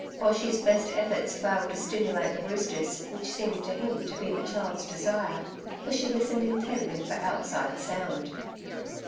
Boshy's best efforts failed to stimulate the roosters, which seemed to him to be the child's desire, for she listened intently for outside sound.